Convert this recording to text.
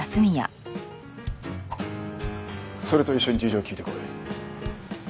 それと一緒に事情を聞いてこい。